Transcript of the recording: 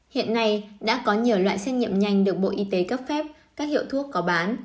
hiện nay đã có nhiều loại xét nghiệm nhanh được bộ y tế cấp phép các hiệu thuốc có bán